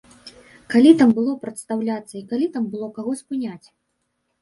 Калі там было прадстаўляцца і калі там было каго спыняць?